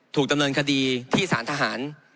ถูกดำเนินคดีที่สารทหาร